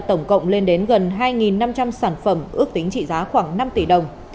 tổng cộng lên đến gần hai năm trăm linh sản phẩm ước tính trị giá khoảng năm tỷ đồng